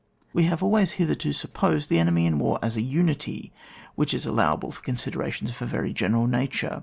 We have always hitherto supposed the enemy in war as a unity, which is allow able for considerations of a veiy general nature.